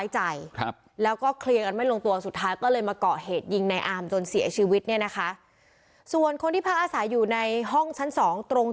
ใจแล้วก็เคลียร์งันไม่ลงตัวสุดท้ายก็เลยมาเกาะเหตุยิงในอามจนเสียชีวิตเนี่ยนะคะส่วนคนที่พาอาหารอยู่ในห้องชั้น๒ตรง